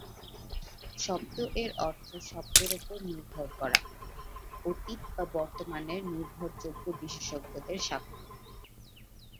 শব্দ এর অর্থ শব্দের উপর নির্ভর করা, অতীত বা বর্তমানের নির্ভরযোগ্য বিশেষজ্ঞদের সাক্ষ্য।